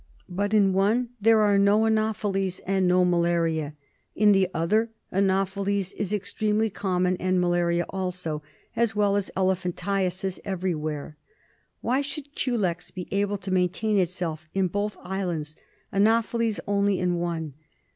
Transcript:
But in one there are no anopheles and no malaria. In the other anopheles is extremely common, and malaria also, as well as ele phantiasis everywhere. Why should culex be able to maintain itself in both islands; anopheles only in one?